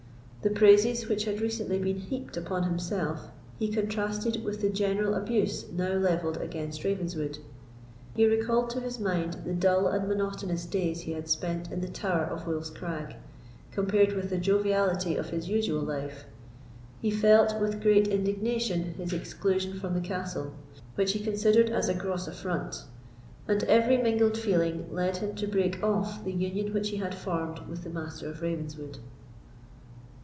The praises which had recently been heaped upon himself he contrasted with the general abuse now levelled against Ravenswood; he recalled to his mind the dull and monotonous days he had spent in the Tower of Wolf's Crag, compared with the joviality of his usual life; he felt with great indignation his exclusion from the castle, which he considered as a gross affront, and every mingled feeling led him to break off the union which he had formed with the Master of Ravenswood.